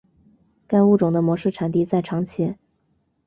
该物种的模式产地在长崎。